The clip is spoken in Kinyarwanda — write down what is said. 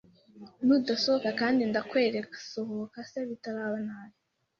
nudasohoka kandi ndakwereka Sohoka se bitaraba nabi